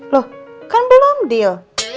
loh kan belum deal